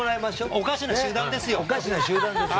おかしな集団ですよ。